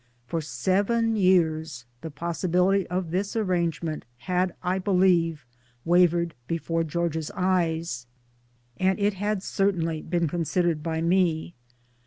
For seven years the possibility of this arrangement had I believe wavered before George's eyes, and it had certainly been considered by me.